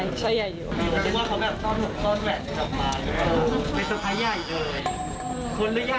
มีช่อใหญ่อย่างเงี้ย